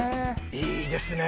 いいですね！